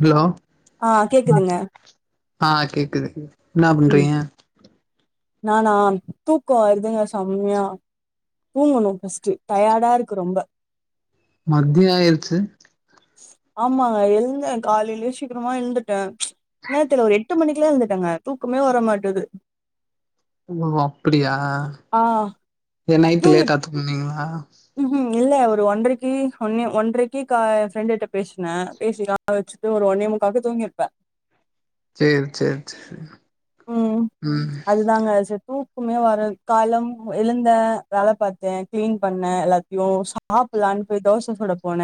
Hello ஆ ஆ கேக்குது என்னா ம் பண்றீங்க நானா தூக்க வருதுங்க செம்மயா தூங்கணு ஃபர்ஸ் டு டயார்டா இருக்கு ரொம்ப மத்ய ஆய்ருச்சு ஆமாங்க எழுந்த காலைலயே சீக்கரமா எழுந்துட்ட என்னா தெர்ல ஒரு எட்டு மணிக்லா எழுந்துட்டேன்ங்க தூக்கமே வர மாட்டுது ஓ அப்டியா ஆ ஏ நைட் லேட்டா தூங்னீங்ளா ம்ஹூ ம் இல்ல ஒரு ஒன்றக்கி ஒன்னே ஒன்றக்கி கா எ ஃப்ரெண்டுட்ட பேசுன பேசி அத வச்சுட்டு ஒரு ஒன்னே முக்காக்கு தூங்கிருப்ப செர் செர் செரி ம் அதுதாங்க சர் தூக் க்குமே வரது காலம் எழுந்த வேல பாத்தே கிளீன் பண்ண எல்லாத்தையு சா ஆப்புல்லான் போய் தோச சுட போன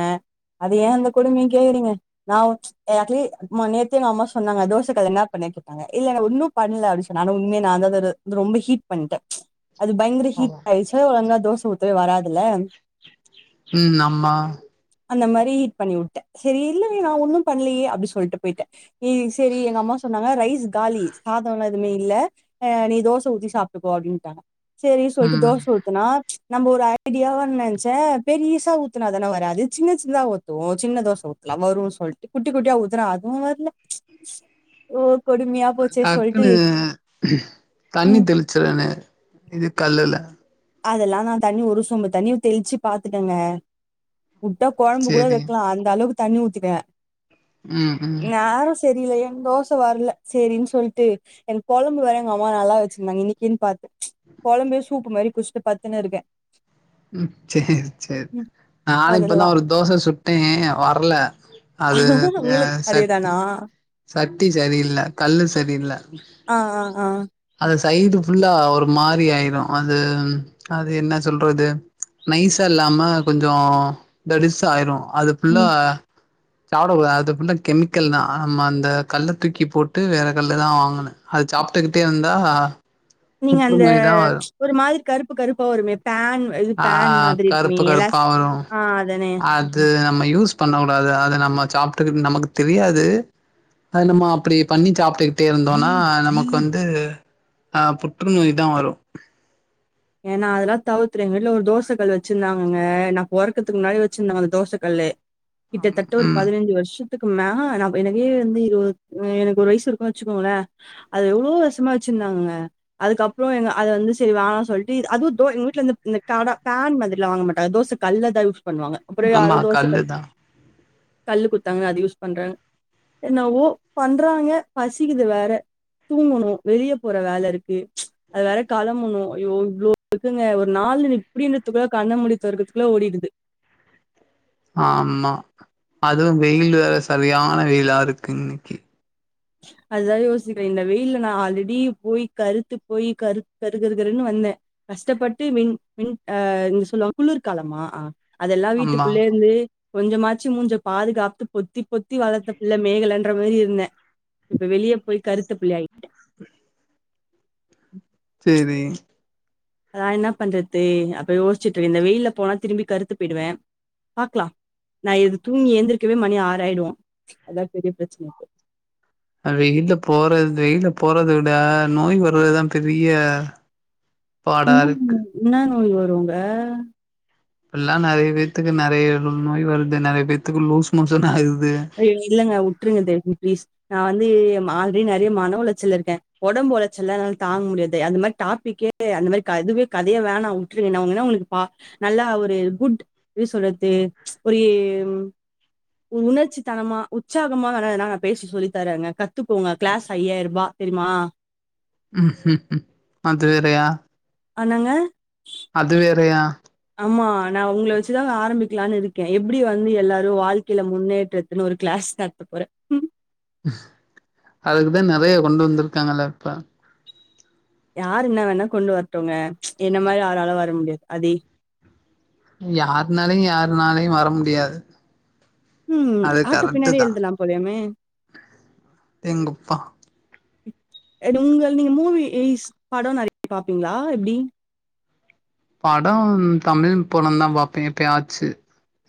அது ஏன் அந்த கொடுமைய கேக்குறீங்க நா ஏ அட்லி ம நேத்தே எங்க அம்மா சொன்னாங்க தோச கல்ல என்னா பண்ண கேட்டாங்க இல்ல நா ஒன்னுப் பண்ல அப்டி சொன்ன ஆனா உண்மையா நா தா தொரு ரொம்ப ஹீட் பண்ட்ட அது பயங்கர ஹீட் ஆயிச்சி இப்வே ஒழுங்கா தோச ஊத்தவே வராதுல்ல ம் ஆமா அந்த மாரி பண்ணிவுட்ட செரி இல்லவே நா ஒன்னு பண்லயே அப்டி சொல்ட்டு போயிட்ட ஏ செரி எங்க அம்மா சொன்னாங்க ரைஸ் காலி சாதலா எதுமே இல்ல நீ தோச ஊத்தி சாப்ட்டுக்கோ அப்டின்ட்டாங்க செரி சொல்ட்டு ம் தோச ஊத்துனா நம்ப ஒரு ஐடியாவா நெனச்ச பெரிசா ஊத்துனாதான வராது சின்ன சின்னதா ஊத் துவோ சின்ன தோச ஊத்துனா வருன் சொல்ட்டு குட்டி குட்டியா ஊத்துனா அதுவு வர்ல ஓ கொடுமயே டக்குனு தண்ணி ம் தெளிச்றன்னு இது கல்லுல அதெல்லா நா தண்ணி ஒரு சொம்பு தண்ணிய தெளிச்சு பாத்துட்டங்க உட்டா கொழம்பு கூட சேரி வைக்கலா அந்த அளவுக்கு தண்ணி ஊத்திட்ட ம் ம் நேரம் சரி இல்ல ஏ தோசை வரல செரின் சொல்ட்டு எனக் கொழம்பு வேற எங்கம்மா நல்லா வச்சிந்தாங்க இன்னிகின் பாத்து கொழம்ப சூப்பு மாரி குஸ்ட்டு பத்துன்னுருக்க ம் செரி செரி நானு இப்பந்தா அதெல்லா ஒரு தோச சுட்டே வர்ல அது அ உங்களுக்கு சட்டி அதேதானா சட்டி சரியில்ல கல்லு சரியில்ல ஆ ஆ ஆ அது சைடு ஃபுல்லா ஒரு மாரி ஆயிரு அது அது என்ன சொல்றது நைசா இல்லாம கொஞ்சோ தடிஸ்சா ஆயிரு அதுபுள்ளா ம் சாப்டக்கூடாது அது ஃபுல்லா கெமிக்கல்தா நம்ம அந்த கல்ல தூக்கி போட்டு வேற கல்தா வாங்கன அது சாப்புட்டுகிட்டே இருந்தா நீங்க அந்த புற்றுநோய் தா வரு ஒரு மாரி கருப்பு கருப்பா வருமே பேன் இது ஆ பேன் மாதிரி இருக்குமே கருப்பு எலாஸ் ஆ அதானே இது நம்ம யூஸ் பண்ண கூடாது அத நம்ம சாப்ட்டுக் நமக்கு தெரியாது அத நம்ம அப்டி பண்ணி சாப்ட்டுக்கிட்டே இருந்தோனா நமக்கு வந்து ஆ புற்று நோய் தா வரும் ஏனா அதெல்லா தவுத்துரு எங்க வீட்ல ஒரு தோசகல் வச்சிருந்தாங்கங்க நா பொறக்கறதுக் முன்னாடி வச்சிருந்தோ அந்த தோச கல்லு கிட்டத்தட்ட ஒரு ம் பதினஞ்சு வருஷ்ச த்துக்கு மா எனக்கே வந்து இருவத் எனக் ஒரு வய்ஸ் இருக்குன் வச்சிகோங்ள அது எவ்ளோ வருஷமா வச்சிருந்தாங்கங்க அதுக்கப்ரோ எங்க அத வந்து சரி வேணா சொல்ட் அதுவு தோ எங்க வீட்ல வந்து கட தோ பேன் மாதிரிலா வாங்க மாட்டாங்க தோச கல்ல தா யூஸ் பண்ணுவாங்க அப்புறோ யாரோ ஆமா தோச கல்லு கல் தா கல்லு குத்தாங்க அது யூஸ் பண்ற என்னாவோ பண்றாங்க பசிக்கிது வேற தூங்கணு வெளிய போற வேல இருக்கு அது வேற களம்பணு ஐயோ இவ்ளோ இருக்குங்க ஒரு நாளு இப்டின்றதுக்குள்ள கண்ண மூடி தொறக்கறதுக்குள்ள ஓடிடுது ஆமா அதுவு வெயிலு வேற சரியான வெயிலா இருக்கு இன்னிக்கி அதுதா யோசிக்கற இந்த வெயில்ல நா ஆல்ரெடி போய் கருத்து போய் கரு கரு கருன்னு வந்த கஷ்டப்பட்டு வின் வின் அ என்ன சொல்லுவாங் குளிர்காலமா அதெல்லா ஆமா வீட்டுக்குள்ளே இந்து கொஞ்சமாச்சி மூஞ்ச பாதுகாத்து பொத்தி பொத்தி வளத்த புள்ள மேகலன்ற மாரி இருந்த இப்ப வெளிய போய் கருத்த புள்ள ஆய்ட செரி அதா என்னா பண்றது அப்டி யோஸ்ச்சிட்டுருந்த இந்த வெயில்ல போனா திரும்பி கருத்து பேய்டுவே பாக்லா நா இது தூங்கி எந்திரிக்கவே மணி ஆறாயிடு அதா பெரிய பிரச்சன இப்போ வெயில போறது வெயில போறத விட நோய் வர்றதுதா பெரிய பாடா ம் இருக்கு இன்ன நோய் வருங்க இப்பல்லா நெறைய பேத்துக்கு நெறைய நோய் வருது நெறைய பேத்துக்கு லூஸ் மோஷன் ஆகுது ஐயோ இல்லங்க உட்ருங்க தயவு செஞ்சு பிளீஸ் நா வந்து ஆல்ரெடி நெறைய மன உளச்சல்ல இருக்கே ஒடம்பு ஒலச்சல்லா என்னால தாங்க முடியாது அந்த மாரி டாபிக்கே அந்த மாரி கதுவே கதயே வேணா உங் உட்ருங்க நா வேனா உங்களுக்கு பா நல்லா ஒரு குட் எப்டி சொல்றது ப்ச் ஒரு உணர்ச்சி தனமா உற்சாகமா வேனா எதுனா நா பேசி சொல்லி தரேங்க கத்துக்கோங்க கிளாஸ் ஐயாயிரூபா தெரிமா ம்ம்அது வேறயா ஆனங்க அது வேறயா ஆமா நா உங்கள வச்சிதா ஆரம்பிக்கலான் இருக்க எப்டி வந்து எல்லாரு வாழ்க்கையில முன்னேற்ற இன்னொரு கிளாஸ் நடத்த போற அதுக்குதா நறைய கொண்டு வந்திருக்காங்கல்ல அப்பா யாரு இன்ன வேணா கொண்டு வரட்டுங்க என்ன மாறி ஆளாலு வர முடியாது அதே யாருனாலயு யாருனாலயு வர முடியாது ம் அது ஆட்டோ கரெக்ட்டு பின்னாடியு தா எழுதலா போலயாமே எங்கப்பா அண்ட் உங்கள் நீங்க மூவிஸ் படோ நெறைய பாப்பீங்களா எப்படி படம் தமில் பொடந்தா பாப்பே எப்பயாச்சு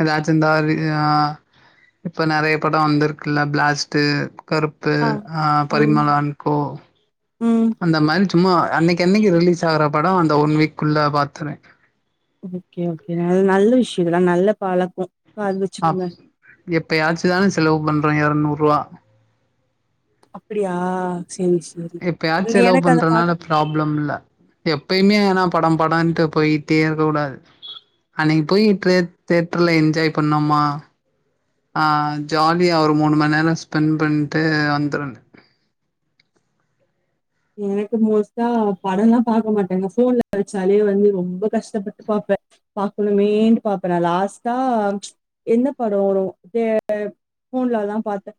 எதாச்சு இந்தா ஆ இப்ப நெறைய படோ வந்துருக்குல்ல பிளாஸ்ட்டு கருப்பு ஆ பரிமளான் கோ ம் அந்த மாறி சும்மா அன்னைக்கு அன்னைக்கு ரிலீஸ் ஆகற படோ அந்த ஒன் வீக்குள்ள பாத்துருவே ஓகே ஓகே அது நல்ல விஷ்யோ அதல்லா நல்ல பழக்கோ அ எப்பயாச்சுதான செலவு பண்ற எரநூறு ரூபா அப்படியா செரி செரி எப்பயாச் செலவு பண்றதுனால ப்ராப்ளம் இல்ல எப்பயுமே வேனா படம் படோன்ட்டு போயிட்டே இருக்க கூடாது அன்னைக்கு போயி ட்ரே தேட்டர்ல என்ஜாய் பண்ணோமா ஆ ஜாலியா ஒரு மூணு மணி நேரோ ஸ்பெண்ட் பண்ட்டு வந்துருங்க எனக்கு மோஸ்ட்டா படம்லா பாக்க மாட்டேங்க போன்ல வச்சாலே வந்து ரொம்ப கஷ்டப்பட்டு பாப்பே பாக்கணுமேன்டு பாப்பே நா லாஸ்ட்டா ச் என்ன டோ தேட் போன்லதா பாத்த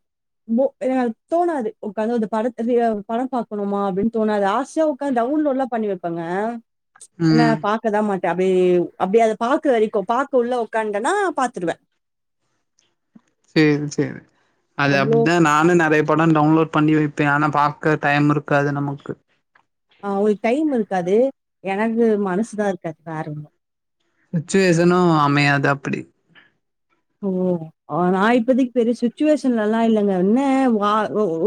போ எ தோணாது உக்காந்து அந்த படத்த ப்ரியா படம் பாக் பாக்கனுமா அப்டினு தோணாது ஆசயா உக்காந்து டௌன்லோட்லா பண்ணி வெப்பங்க என்ன ம் பக் பாக்கதா மாட்ட அப்டியே அப்டியே அத பாக்கற வரைக்கு பாக்க உள்ள உக்காண்டனா பாத்துடுவ செரி செரி அது அவ்ளோ அப்டிதா நானு நெறைய படம் டவுன்லோட் பண்ணி வைப்பே ஆனா பாக்க டைம் இருக்காது நமக்கு ஆ உங்களுக்கு டைம் இருக்காது எனக்கு மனசுதா இருக்காது வேற ஒன்னு சுச்சுவேசனு அமையாது அப்டி ஓ ஆ நான் இப்பதிக் பெரி சுச்சுவேஷன்லல்லா இல்லங்க என்ன வா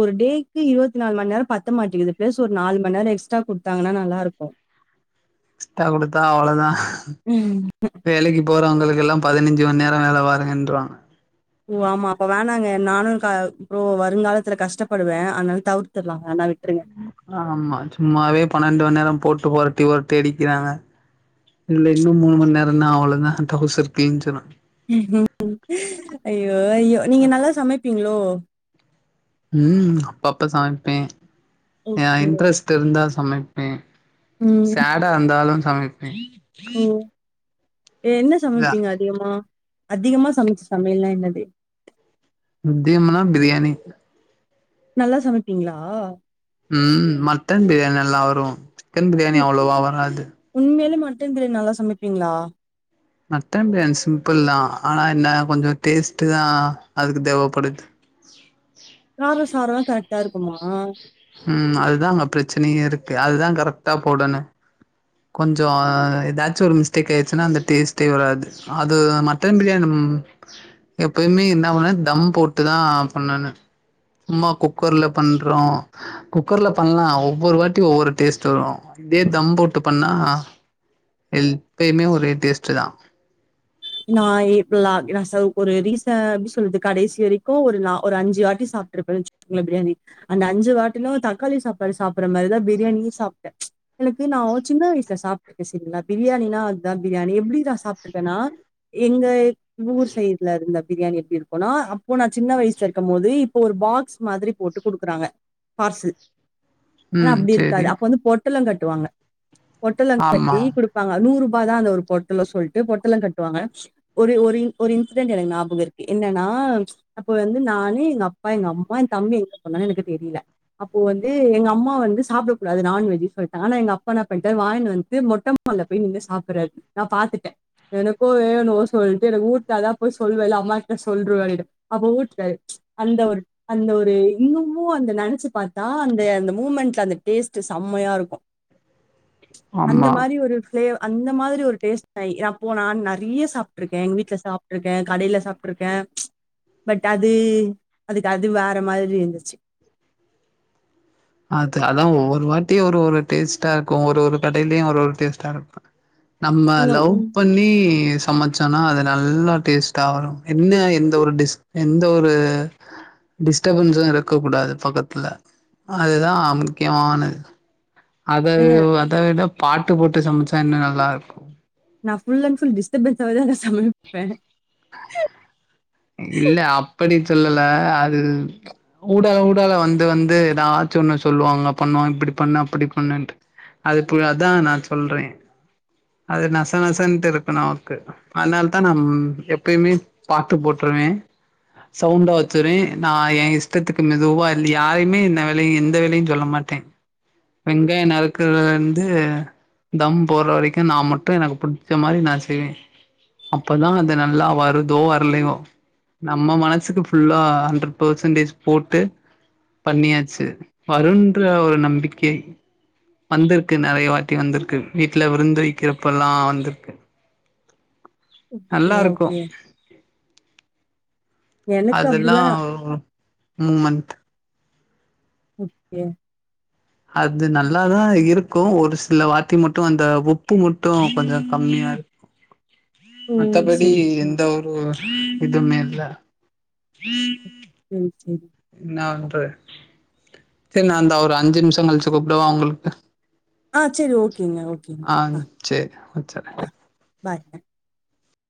ஒரு டேக் க்கு இருவத்தி நாலு மணிநேரோ பத்த மாட்டிகிது பிளஸ் ஒரு நாலு மணி நேரோ எக்ஸ்டா குடுத்தாங்கன்னா நல்லாருக்கு ஸ்ட்டா அவ்ளோதா அவ்ளோதா வேலக்கி போறவங்களுக்கெல்லா பதினெஞ்சு மணி நேரம் வேல பாருங்கன்றுவாங்க ஓ ஆமா அப்ப வேணாங்க நானு க அப்றோ வருங்காலத்துல கஷ்டப்படுவே அதனால தவுர்த்தர்லா வேனா விட்ருங்க ஆமா சும்மாவே பன்னெண்டு மணி நேரம் போட்டு ஒரட்டி ஒரட்டி அடிக்கிறாங்க இதுல இன்னு மூணு மண் நேரன்னா அவ்ளோதா டவுசர் கிழிஞ்சுடு ஐயோ ஐயோ நீங்க நல்லா சமைப்பீங்ளோ ம் அப்பப்ப சமைப்பே அ ஓகே. இன்ட்ரெஸ்ட் இருந்தா சமைப்பே ம். சேடாருந்தாலு சமைப்பே அ என்ன இல்ல சமைப்பீங்க அதிகமா அதிகமா சமைச்ச சமையல்லா என்னது ப்பேமுன்னா பிரியாணி நல்லா சமைப்பீங்களா ம் மட்டன் பிரியாணி நல்லா வரு சிக்கன் பிரியாணி அவ்ளோவா வராது உண்மையிலு மட்டன் பிரியாணி நல்லா சமைப்பீங்களா மட்டன் பிரியாணி சிம்பிள் தா ஆனா என்ன கொஞ்சோ டேஸ்ட்டு தா அதுக்கு தேவப்படுது காரோ சாரோல்லா கரெக்ட்டா இருக்குமா ம் அதுதா அங்க பிரச்சனை இருக்கு அதுதா கரெக்ட்டா போடணு கொஞ்சோ எதாச்சு ஒரு மிஸ்டேக் ஆயிர்ச்சுன்னா அந்த டேஸ்ட்டே வராது அது ம மட்டன் பிரியாணி ம் எப்பயுமே இன்ன பண்ண தம் போட்டுதா பண்ணனு சும்மா குக்கர்ல பண்றோ குக்கர்ல பண்லா ஒவ்வொரு வாட்டி ஒவ்வொரு டேஸ்ட் வரும் இதே தம் போட்டு பண்ணா ல் இப்பயுமே ஒரே டேஸ்ட்டு தா நான் ஏப்ப லா நா சார் ஒரு ரீசன் அப்டி சொல்றது கடைசி வரைக்கு ஒரு நா ஒரு அஞ்சு வாட்டி சாப்ட்ருப்ப வெச் வ்ளோ பிரியாணி அந்த அஞ்சு வாட்டிலு தக்காளி சாப்பாடு சாப்புட்ற மாரிதா பிரியாணியு சாப்ட்டே எனக்கு நா சின்ன வயசுல சாப்ட்டுருக்க செரிங்ளா பிரியாணின்னா அத்தா பிரியாணி எப்டிதா சாப்ட்டுருக்கேன்னா எங்க ஊர் சைட்லருந்த பிரியாணி எப்டிருக்கு போனா அப்போ நா சின்ன வயசா இருக்கும் போது இப்போ ஒரு பாக்ஸ் மாதிரி போட்டு குடுக்குறாங்க பார்ஸு ஆனா ம் அப்டிருக்காது சேரி அப்ப வந்து பொட்டலோ கட்டுவாங்க பொட்டலோ ஆமா கட்டி குடுப் தாங்க நூறு ரூபா தா அந்த ஒரு பொட்டலோ சொல்ட்டு பொட்டலோ கட் டுவாங்க ஒரு ஒரு இன் ஒரு இன்சிடெண்ட் எனக்கு ஞாபக இருக்கு என்னன்னா அப்ப வந்து நானு எங்க அப்பா எங்க அம்மா எ தம்பி எங்க பொன்னானு எனக்கு தெரியில அப்போ வந்து எங்க அம்மா வந்து சாப்புடக் கூடாது நான்வெஜு சொல்ட்டாங்க ஆனா எங்க அப்பான்னா பண்ணிட்டாரு வாங்கிட் வந்ட்டு மொட்ட அங்க போய் நின்னு சாப்புர்றாரு நா பாத்துட்டே எனக் கு வேன்னு சொல்ட்டு எனக்கு ஊட்னாதா போய் சொல்லுவே இல்ல அம்மாகிட்ட சொல்ட்ருவேனட்டு அப்போ ஊட்னாரு அந்த ஒரு அந்த ஒரு இன்னுமும் அந்த நெனைச்சு பாத்தா அந்த அந்த மூமெண்ட்ல அந்த டேஸ்ட் செம்மையாருக்கு உ அந்த மாதிரி ஒரு ஃபளே அந்த மாதிரி ஒரு டேஸ்ட் த நா போனான் நா நறைய சாப்ட்டுருக்கே எங்க வீட்ல சாப்ட்டுருக்கே கடையில சாப்ட்டுருக்கே பட் அது அதுக்கு அது வேற மாதிரி இருந்துச்சு அது அதா ஒவ்வொரு வாட்டியு ஒரு ஒரு டேஸ்ட்டாருக்கு ஒரு ஒரு கடையிலயு ஒரு ஒரு டேஸ்ட்டாருக்கு நம்ம நீங்க லவ் பண்ணி சமைச்சோன்னா அது நல்லா டேஸ்ட்டா வரு என்ன ம் எந்த ஒரு டிஸ் எந்த ஒரு டிஸ்டர்பன்ஸு இருக்க கூடாது பக்கத்துல அதுதா முக்கியமானது அத ஏங்க அத விட பாட்டு போட்டு சமைச்சா இன்னு நல்லாருக்கு நா ஃபுல்லன் ஃபுல் டிஸ்ட்பன்ஸ்சாவேதாங்க சமைப்பே இல்ல அப்பிடி சொல்லல்ல அது ஊடால ஊடால வந்து வந்து எதாச்சு ஒண்ணு சொல்லுவாங்க பண்ணுவாங் இப்படி பண்ணு அப்படி பண்ணுன்ட்டு அதுப்பு அதா நா சொல்றே அது நச நசன்ட்டுருக்கு நமக்கு அதனால தா நம் எப்பயுமே ட்டு போட்றுவே சவுண்டா வச்சுர்வே நா எ இஷ்டத்துக்கு மெதுவா இல் யாரையுமே இந்த வேலையு எந்த வேலையு சொல்ல மாட்டே டே வெங்காயோ நறுக்குறலருந்து தம் போற வரைக்கு நா மட்டு எனக்கு புடிச்ச மாரி நா செய்வே அப்பதா அது நல்லா வருதோ வல்லையோ நம்ம மனசுக்கு ஃபுல்லா கண்ரட் பர்சன்டேஜ் போட்டு பண்ணியாச்சு வருன்ற ஒரு நம்பிக்கை வந்துருக்கு நெறய வாட்டி வந்துருக்கு வீட்ல விருந்து வக்கிறப்ப எல்லா வந்துருக்கு ஓகே, நல்லா இருக்கு ஓகே. எனக்கு அதெல்லா அப்டிலாம் மூமந்த் ஓகே அது நல்லாதா இருக்கு ஒரு சில வாட்டி மட்டு அந்த உப்பு மட்டு கொஞ்ச கம்மியா இரு ஓ! மத்தபடி சரி, எந்த ஒரு இதுமே இல்ல ம் ம் என்னா வண்ற சரி நா அந்தா ஒரு அஞ்சு நிமிஷ கழுச்சு கூப்டவா ஒங்களுக்கு ஆ சேரி ஓகேங்க ஓகேங்க ஆ சேரி வச்சர்றே பாய் பாய்